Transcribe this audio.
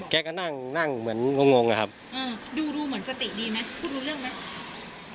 แกก็นั่งนั่งเหมือนงงงอะครับอ่าดูดูเหมือนสติดีไหมพูดรู้เรื่องไหม